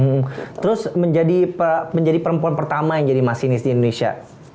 hmm terus menjadi perempuan pertama yang jadi masinis di indonesia